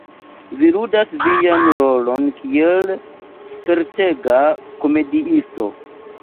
Vi ludas vian rolon kiel spertega komediisto.